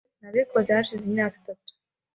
Nabikoze hashize imyaka itatu .